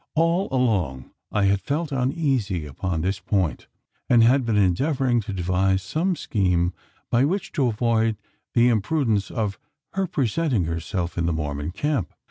All along, I had felt uneasy upon this point; and had been endeavouring to devise some scheme by which to avoid the imprudence of her presenting herself in the Mormon camp.